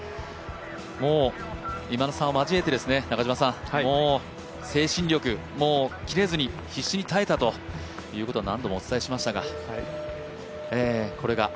もう、今田さんを交えてもう精神力切れずに必死に耐えたということは何度もお伝えしましたが。